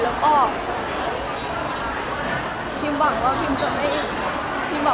แล้วก็ทีมหวังว่าทีมจะไม่ต้องกลัว